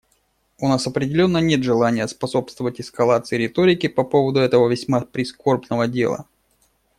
У нас определенно нет желания способствовать эскалации риторики по поводу этого весьма прискорбного дела.